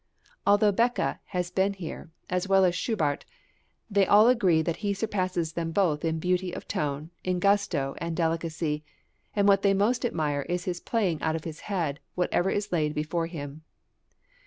Although Beecké has been here, as well as Schubart, they all agree that he surpasses them both in beauty of tone, in gusto, and delicacy; and what they most admire is his playing out of his head whatever is laid before him.